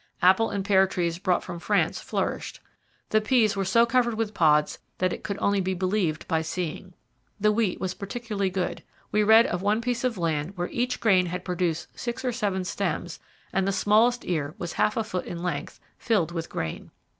Apple and pear trees brought from France flourished. The peas were 'so covered with pods that it could only be believed by seeing.' The wheat was particularly good. We read of one piece of land where 'each grain had produced six or eight stems, and the smallest ear was half a foot in length, filled with grain.'